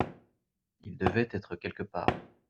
Il devait être quelque part.